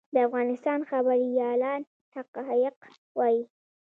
د افغانستان خبریالان حقایق وايي